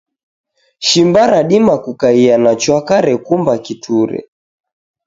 Shimba radima kukaia na chwaka rekumba kiture.